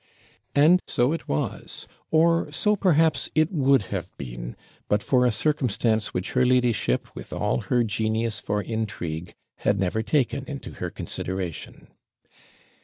And so it was or so, perhaps, it would have been, but for a circumstance which her ladyship, with all her genius for intrigue, had never taken into her consideration.